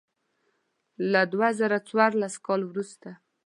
له دوه زره څوارلسم کال وروسته.